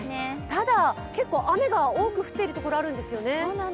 ただ、結構雨が多く降っている所があるんですよね。